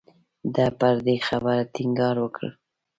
ده پر دې خبرې ټینګار وکړ.